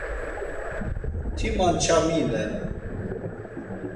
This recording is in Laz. Ti mançaminen.